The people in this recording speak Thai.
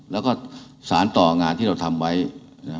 แล้วก็สารต่องานที่เราทำไว้นะฮะ